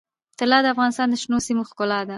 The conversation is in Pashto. طلا د افغانستان د شنو سیمو ښکلا ده.